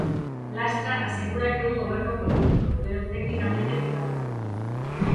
Lastra asegura que é un goberno político, pero tecnicamente preparado.